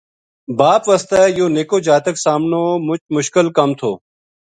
باپ واسطے یوہ نِکو جاتک سامنو مُچ مشکل کَم تھو